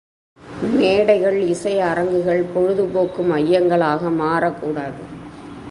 மேடைகள், இசை அரங்குகள், பொழுதுபோக்கு மையங்களாக மாறக்கூடாது.